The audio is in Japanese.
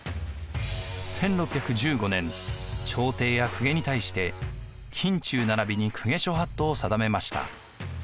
１６１５年朝廷や公家に対して禁中並公家諸法度を定めました。